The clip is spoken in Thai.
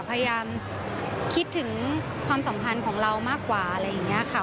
พยายามคิดถึงความสัมพันธ์ของเรามากกว่าอะไรอย่างนี้ค่ะ